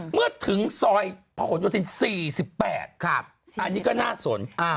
เมื่อถึงซอยพระหลโยธิน๔๘อันนี้ก็น่าสน